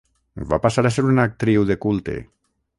Va passar a ser una actriu de culte.